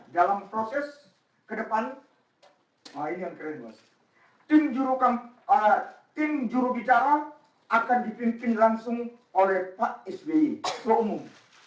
dalam proses ke depan tim juru bicara akan dipimpin langsung oleh pak sby seluruh umum